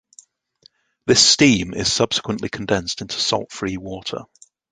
This steam is subsequently condensed into salt-free water.